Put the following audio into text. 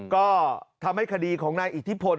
ก็ทำให้คดีของนายอิทธิพล